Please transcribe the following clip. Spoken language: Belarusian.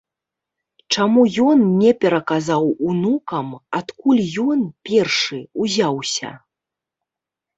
Чаму ён не пераказаў унукам, адкуль ён, першы, узяўся?